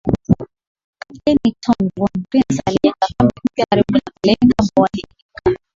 Kapteni Tom von Prince alijenga kambi mpya karibu na Kalenga mkoani Iringa